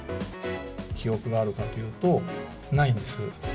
記憶があるかというと、ないんです。